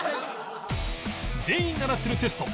全員習ってるテスト